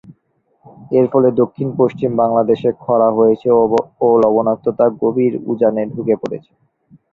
এর ফলে দক্ষিণ পশ্চিম বাংলাদেশে ক্ষরা হয়েছে ও লবনাক্ততা গভীর উজানে ঢুকে পড়েছে।